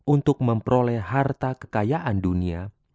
untuk memperoleh harta kekayaan dunia